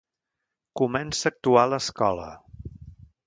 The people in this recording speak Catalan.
Comença a actuar a l'escola.